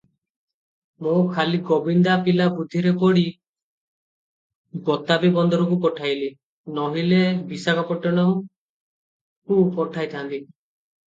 ମୁଁ ଖାଲି ଗୋବିନ୍ଦା ପିଲା ବୁଦ୍ଧିରେ ପଡ଼ି ବତାବୀ ବନ୍ଦରକୁ ପଠାଇଲି, ନୋହିଲେ ବୈଶାଖପଟଣାକୁ ପଠାଇଥାନ୍ତି ।